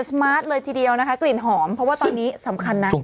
สมาร์ทเลยทีเดียวนะคะกลิ่นหอมเพราะว่าตอนนี้สำคัญนะ